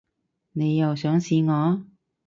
你又想試我